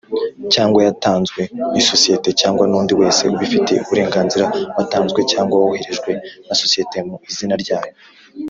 cyangwa yatanzwe n isosiyete cyangwa nundi wese ubifitiye uburenganzira watanzwe cyangwa woherejwe na sosiyete mu izina ryayo.